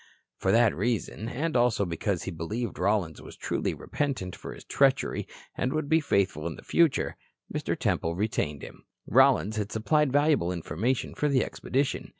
For that reason, and also because he believed Rollins was truly repentant for his treachery and would be faithful in the future, Mr. Temple retained him. Rollins had supplied valuable information for the expedition.